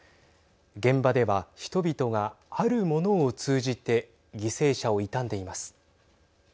現場では人々があるものを通じて犠牲者を悼んでいます。